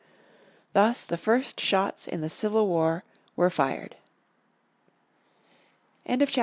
Thus the first shots in the Civil War were fired on Jan.